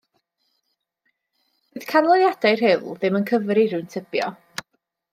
Fydd canlyniadau Rhyl ddim yn cyfri, rwy'n tybio.